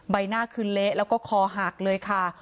ใบหน้าคือเละแล้วก็คอหักเลยค่ะ